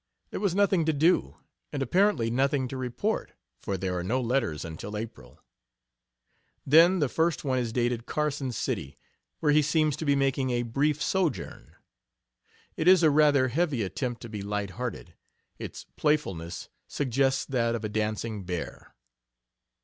There was nothing to do, and apparently nothing to report; for there are no letters until April. Then the first one is dated Carson City, where he seems to be making a brief sojourn. It is a rather heavy attempt to be light hearted; its playfulness suggests that of a dancing bear.